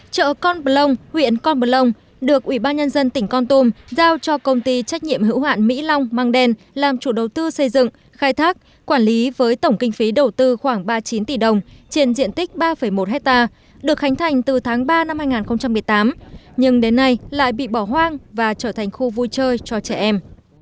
chợ con plong huyện con plong được ủy ban nhân dân tỉnh con tum giao cho công ty trách nhiệm hữu hoạn mỹ long măng đen làm chủ đầu tư xây dựng khai thác quản lý với tổng kinh phí đầu tư khoảng ba mươi chín tỷ đồng trên diện tích ba một hectare được khánh thành từ tháng ba năm hai nghìn một mươi tám nhưng đến nay lại bị bỏ hoang và trở thành khu vui chơi cho trẻ em